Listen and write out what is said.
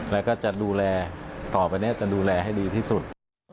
แล้วก็จะดูแลต่อไปเนี่ยจะดูแลให้ดีที่สุด